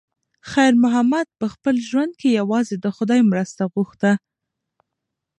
خیر محمد په خپل ژوند کې یوازې د خدای مرسته غوښته.